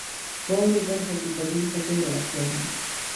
واورئ برخه کې ګډون ته ډیره اړتیا ده.